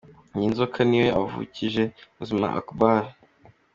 Iyi nzoka niyo avukije ubuzima Akbar.